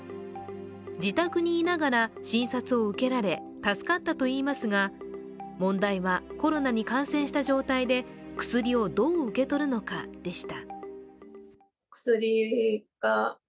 自宅にいながら診察を受けられ助かったといいますが、問題は、コロナに感染した状態で薬をどう受け取るのかでした。